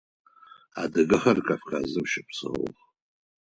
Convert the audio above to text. Адыгэхэр Кавказым щэпсэух.